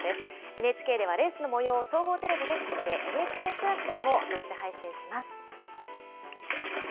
ＮＨＫではレースのもようを総合テレビで中継、ＮＨＫプラスでも同時配信します。